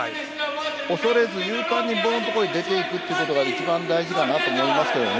恐れず勇敢にボールの所に出て行くことが一番大事だと思います。